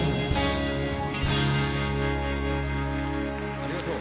ありがとう。